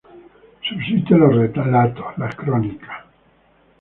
Subsisten los relatos, las crónicas.